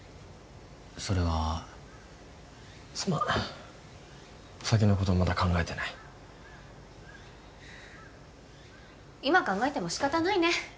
それはすまん先のことはまだ考えてない今考えても仕方ないね